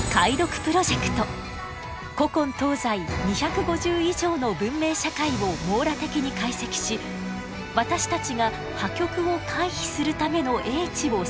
古今東西２５０以上の文明社会を網羅的に解析し私たちが破局を回避するための英知を探ります。